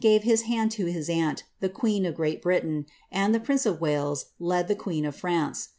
gave his hand to his aunt, the queen of Great Britain, and the prince of Wales led the queen of France.